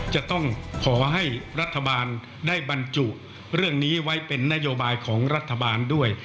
จะต้องขอให้รัฐบาลได้บรรจุเรื่องนี้ไว้เป็นนโยบายของรัฐบาลด้วย